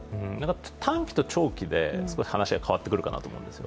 短期と長期で話が変わってくるかなと思うんですよ。